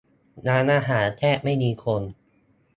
ร้านอาหารแทบไม่มีคน